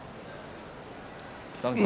北の富士さん